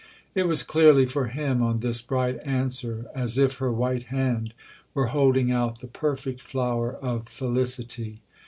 It was clearly for him, on this bright answer, as if her white hand were holding out the perfect flower of felicity.